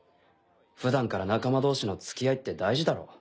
ふだんから仲間同士のつきあいって大事だろ。